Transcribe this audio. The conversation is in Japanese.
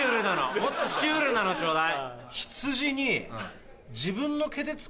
もっとシュールなのちょうだい。